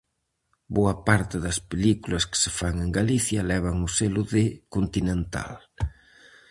Boa parte das películas que se fan en Galicia levan o selo de Continental.